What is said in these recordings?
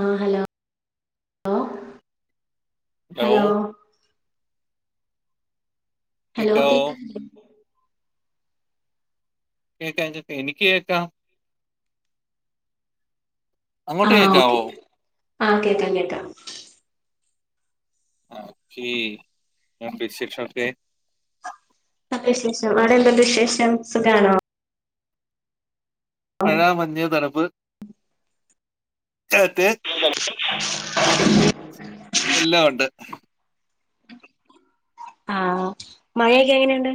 ആ ഹലോ ലോ hello hello കേക്കാവോ? കേക്കിന്നില്ലേ കേൾക്കാം ചേട്ട എനിക്ക് കേൾക്കാം. അങ്ങോട്ട് ആഹ് ഓക്കെ കേക്കാവോ? ആഹ് കേക്കാം കേക്കാം. ഓക്കേ ഞാൻ ബിശേഷം ഒക്കെ അ വിശേഷം അവിടെ എന്തുണ്ട് വിശേഷം സുഖണോ? മഴ മഞ്ഞ തണുപ്പ് കാറ്റ്. [inaudible] എല്ലാ ഒണ്ട് ആഹ് മഴയൊക്കെ എങ്ങനെയുണ്ട്.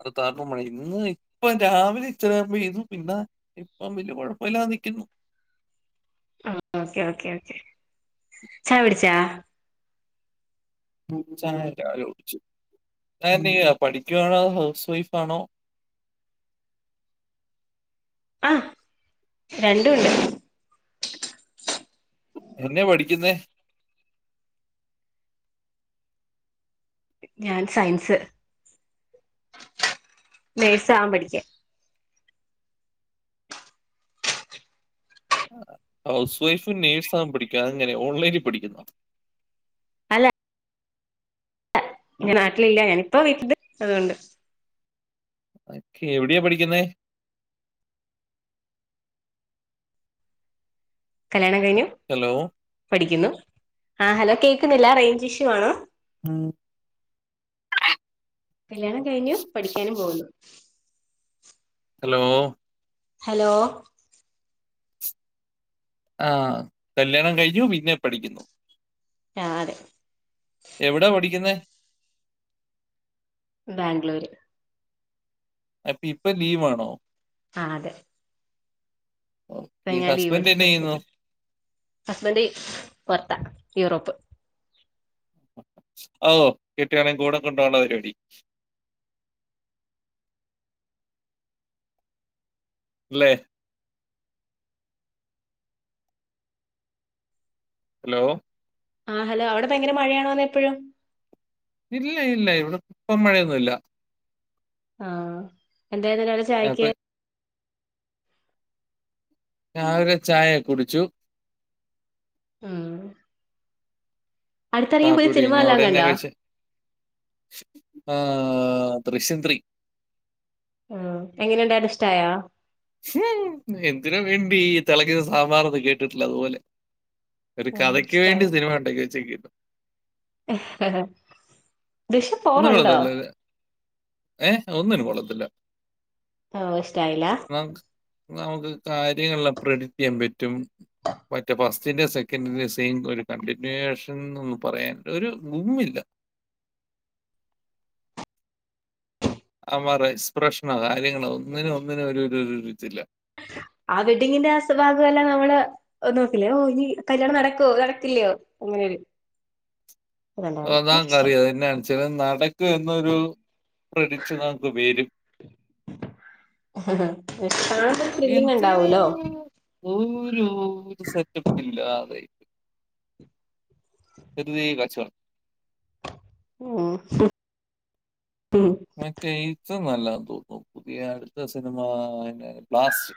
അത് താർപ്പ മഴ ഇന്ന് ഇപ്പം രാവിലെ ഇച്ചരം ചെയ്തു പിന്നെ ഇപ്പം വല്യ കൊഴപ്പല്ലാതെ നിക്കുന്നു. ആഹ് ഓക്കെ ഓക്കേ ഓക്കെ ചായുടിച്ചാ. ചായ രാവിലെ കുടിച്ചു താനെന്തെയാ പഠിക്കുവാണോ അതൊ ഹൗസ് വൈഫാണോ. ആ രണ്ടും ഉണ്ട് എന്നെ പഠിക്കുന്നേ? ഞാൻ സയൻസ് നേഴ്സ്ആവാൻ പഠിക്ക ഹൗസ് വൈഫ് നേഴ്സാവാൻ പഠിക്കെ അതങ്ങിനെ ഓൺലൈനിൽ പഠിക്കുന്നോ? അല്ല ഞാൻ നാട്ടിലില്ല ഞാനിപ്പോ വിട്ടില്ണ്ട് അതുകൊണ്ട്. ഓക്കെ എവിടെയാ പഠിക്കുന്നെ? കല്യാണം കഴിഞ്ഞു. ഹലോ പഠിക്കുന്നു ആ ഹലോ കേൾക്കുന്നില്ല റേഞ്ച് ഇഷ്യൂ ആണോ? [inaudible] കല്യാണം കഴിഞ്ഞു പഠിക്കാനും പോകുന്നു ഹലോ ഹലോ ആഹ് കല്യാണം കഴിഞ്ഞു പിന്നെ പഠിക്കുന്നു ആഹ് അതെ എവിടാ പഠിക്കുന്നേ ബാംഗ്ലൂര് അപ്പൊ ഇപ്പൊ ലീവ് ആണോ? ആഹ് അതെ ഓക്കേ. ഹസ്ബൻഡ് എന്നാ ചെയ്യുന്നു? പ്പഞ്ഞാലീവ്ടുത്ത്ക്ക്‌ ഹസ്ബൻഡ് പൊറത്താ യൂറോപ്പ് ഔ കെട്ട്യോളീം കൂടെ കൊണ്ടുവാനുള്ള പരിപാടി ല്ലേ ഹലോ ആഹ് ഹലോ അവിടെ ഭയങ്കര മഴയാണോന്നെപ്പഴും ഇല്ല ഇല്ല ഇവിടെ ഇപ്പം മഴയൊന്നൂല്ല ആഹ് എന്തായ്ന്നു രാവിലെ ചായക്ക് അപ്പൊ രാവിലെ ചായ കുടിച്ചു ഉം അടുത്തിറങ്ങിയ കാപ്പി പുതിയ കുടി സിനിമ വല്ലോം കണ്ടോ ആഹ് ദൃശ്യം ത്രീ ആഹ് എങ്ങനെയുണ്ടായിരുന്നു ഇഷ്ടായോ ഹും എന്തിനു വേണ്ടി തെളക്കുന്ന സാമ്പാർഎന്ന് കേട്ടിട്ടില്ലേ അതുപോലെ ഒരു ഉം കഥക്ക് വേണ്ടി ഇഷ്ടായി സിനിമ ഉണ്ടാക്കി വെച്ചേക്കുന്ന് ദൃശ്യം ഒന്നും ഫോറുണ്ടോ കൊള്ളത്തില്ല. ഏഹ് അതൊന്നിനും കൊള്ളത്തില്ല ആവൂ ഇഷ്ടായില്ല നമുക്ക് നമുക്ക് കാര്യങ്ങളെല്ലാം പ്രെഡിറ്റ് ചെയ്യാൻ പറ്റും പറ്റും ഫസ്റ്റിന്റേം സെക്കൻറിന്റേം സെയിം ഒരു കണ്ടിന്യുവേഷൻ ന്നൊന്ന് പറയാൻ ഒരു ഗുമ്മില്ല അവന്മാരുടെ എക്സ്പ്രഷനോ കാര്യങ്ങളോ ഒന്നിനും ഒന്നിനും ഒരുഒരു ഒരു തില്ല ആഹ് വെഡ്ഡിങ്ങിന്റെ അസ്വഭാവികമെല്ലാം നമ്മള് ഒന്ന് നോക്കില്ലേ ഓഹ് ഇനി കല്യാണം നടക്കോ നടക്കില്ലയോ അങ്ങനെയൊരു അതുണ്ടായിരുന്നു എനിക്കിഷ്ടായി അള്ളാക്കറിയ അതന്നെയാണച്ചിലും നട ക്കും എന്നൊരു പ്രഡിക്ഷൻ നമുക്ക് വരും പക്ഷെ കാണുമ്പോ ഒരു ത്രില്ലിങ് ഉണ്ടാവൂലോ ഓരോര് സെറ്റപ്പ് ഇല്ലാതെ വെറുതെ കാണിച്ചുവാ ഉം ഉം മറ്റേ ഇതും നല്ലതാന്ന് തോന്നുന്നു പുതിയ അടുത്ത സിനിമ എന്നാ ബ്ലാസ്റ്റ്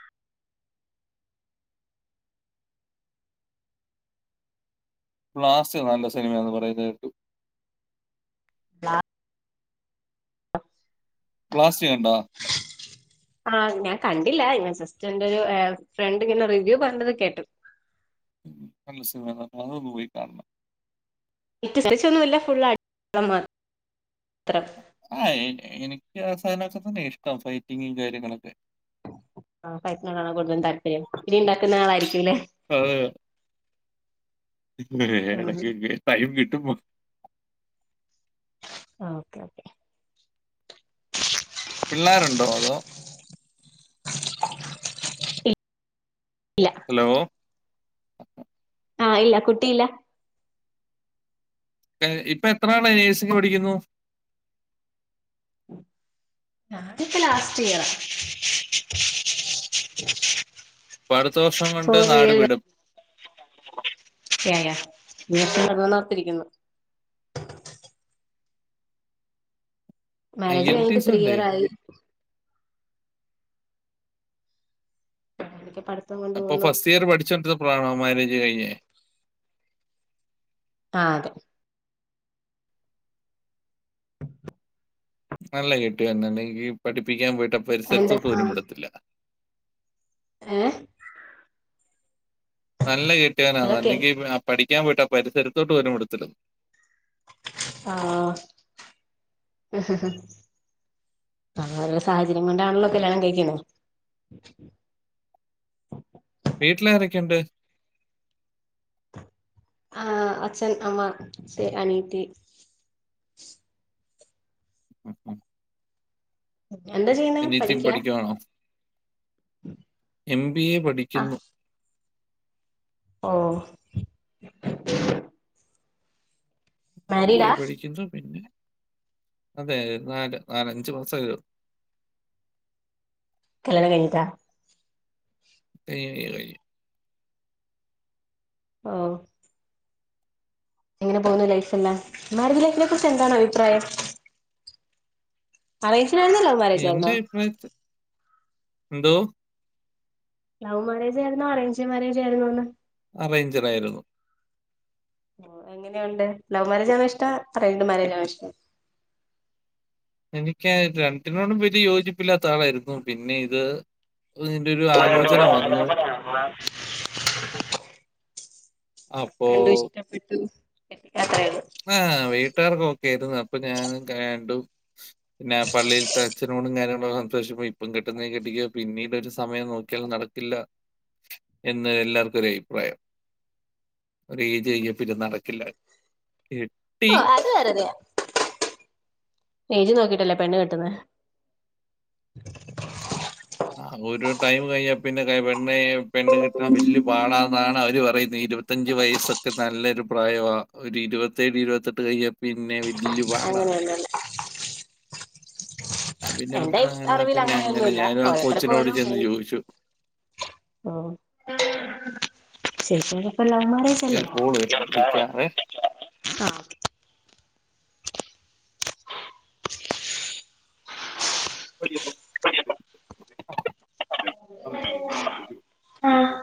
ബ്ലാസ്റ്റ് നല്ല സിനിമാ എന്ന് പറയുന്നത് കേട്ടു ബ്ലാ ബ്ലാസ്റ്റ് കണ്ടോ [inaudible] ആഹ് ഞാൻ കണ്ടില്ല ഞ ജസ്റ്റ് എന്റെ ഒരു ഏഹ് ഫ്രണ്ട് ഇങ്ങനെ റിവ്യൂ പറഞ്ഞത് കേട്ടു നല്ല സിനിമയാ അതൊന്ന് പോയി കാണണം വീട്ട് പ്പച്ചിയൊന്നുല്ല ഫുൾടള മാത്രം ആഹ് എ എനിക്ക് ആഹ് സാധനൊക്കെ തന്നെ ഇഷ്ടം ഫൈറ്റിംഗും കാര്യങ്ങളൊക്കെ ആഹ് ഫൈറ്റിനോടാണോ കൂടുതലും താല്പര്യം ഇടി ഉണ്ടാക്കുന്ന ആളായിരിക്കുംല്ലേ അതെ ഉം എനക്ക് ടൈം കിട്ടുമ്പൊ ആഹ് ഓക്കേ ഓക്കേ പിള്ളേരുണ്ടോ അതോ [inaudible] ഇല്ല ഹലോ ആഹ് ഇല്ല കുട്ടിയില്ല ഇപ്പൊ എത്ര ആളാ നേഴ്സിംങ് പഠിക്കുന്നു ഞാൻ ഇപ്പൊ ലാസ്റ്റ് ഇയർ [inaudible] അപ്പൊ അടുത്ത വർഷം കൊണ്ട് ഫോർ നാട് വിടും [unintelligible] ഒർത്തിരിക്കുന്നു ഐ മാരേജ് എൽ ടി കഴിഞ്ഞിട്ട് എസ് ത്രീ ഉണ്ടേ ഇയർ ആയി [unintelligible] അപ്പൊ പോകുന്നു ഫസ്റ്റ് ഇയർ പഠിച്ചോ ണ്ടിരുന്നപ്പോഴാണോ മാരേജ് കഴിഞ്ഞേ ആഹ് അതെ [inaudible] നല്ല കെട്ടിയോൻ തന്നെ അല്ലെങ്കിൽ പഠിപ്പിക്കാൻ പോയിട്ട് എന്താ പരിസരത്തോട്ട് പോരുമ്പിടത്തില്ല ഏഹ് നല്ല അതൊക്കെ കെട്ടിയോനാന്നല്ലെങ്കിൽ പഠിക്കാൻ പോയിട്ട് ആ പരിസരത്തോട്ട് പോലും വിടത്തില്ല ആഹ് അഹ് ഓരു സാഹചര്യം കൊണ്ടാണല്ലോ കല്യാണം കഴിക്കുന്നത് വീട്ടിൽ ആരോക്കെണ്ട് ആഹ് അച്ഛൻ അമ്മ ശേ അനിയതി [inaudible] എന്താ ചെയ്ണെ അനിയത്തിയും പഠിക്കാ പഠിക്കുവാണോ എം ബി എ പഠിക്കുന്നു ഓഹ് എം ബി എ മാരീഡാ പഠിക്കുന്നു പിന്നെ അതെ നാല് നാലഞ്ച് മാസ കല്ലിയാണം കഴിഞ്ഞിട്ടോ [unintelligible] ആഹ് എങ്ങനെ പോകുന്നു ലൈഫെല്ലാം മാരിഡ് ലൈഫിനെ കുറിച്ച് എന്താണ് അഭിപ്രായം അറേഞ്ചട് തന്നല്ലോ എന്റെ അഭിപ്രായത്തിൽ എന്തോ ലവ് മാരേജ് ആയിരുന്നോ അറേഞ്ച് മാരേജ് ആയിരുന്നോ അറേഞ്ചർ ആയിരുന്നു എങ്ങനെ ഉണ്ട് ലവ് മാരേജാണോ ഇഷ്ടം അറേൻജ്ട് മരേജ് ആണോ ഇഷ്ടം എനിക്ക് രണ്ടിനോടും വലിയ യോജിപ്പില്ലാത്ത ആളായിരുന്നു പിന്നെ ഇത് നിന്റെ ഒരു ആലോചന വന്നു അപ്പോ [unintelligible] [unintelligible] ആഹ് വീട്ടുകാര്ക്ക് ഒക്കെ ആരുന്നു അപ്പൊ ഞാൻ കണ്ടു പിന്നെ പള്ളിയിൽതെ അച്ഛനോടും കാര്യങ്ങളൊക്കെ ഇപ്പം കെട്ടുന്നങ്കിൽ കെട്ടിക്കൊ പിന്നീട് ഒരു സമയം നോക്കിയാൽ നടക്കില്ല എന്ന് എല്ലാർക്കും ഒരു അഭിപ്രായം ഒരു ഐജ് കഴിഞ്ഞാൽ പിന്നെ നടക്കില്ല [inaudible] ഓഹ് അത് വേറുതെയ. ഏജ് നോക്കിട്ടല്ലേ പെണ്ണ് കെട്ടുന്നെ. ആഹ് ഒരു ടൈമ് കഴിഞ്ഞാ പിന്നെ പെണ്ണെ പെണ്ണ് കിട്ടാൻ വല്ല്യ പാടാന്നാണ് അവര് പറയുന്നെ. ഇരുപത്തി ഇരുപത്തഞ്ച് വയസ്സൊക്കെ നല്ലൊരു പ്രായമാ. ഒരു ഇരുപത്തേഴ് ഇരുപത്തെട്ട് കഴിഞ്ഞാ പിന്നെ വല്ല്യ പാടാ നല്ല [unintelligible] ഞാൻ പിന്നെ എന്റെ ഐ ഓർത്ത് എന്നാ അറിവിൽ പിന്നെ അങ്ങനെ അങ്ങനൊന്നുല്ല. ഞാനും ആ ഓരോരുത്തർക്ക് കോച്ചിനോട് ഓരോ ചെന്ന് [unintelligible] ചോദിച്ചു. ആഹ്, ശെരിക്കിനിപ്പോ ലവ് മാര്യേജ് ഒരു കോള് വരുന്നു വിളിക്കാവേ. [unintelligible] ആഹ് [unintelligible] [unintelligible] ആഹ്